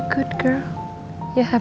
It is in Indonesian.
reina kamu seorang gadis yang baik